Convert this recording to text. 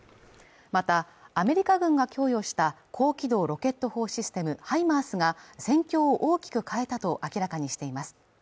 またアメリカ軍が供与した高機動ロケット砲システムハイマースが戦況を大きく変えたと明らかにしています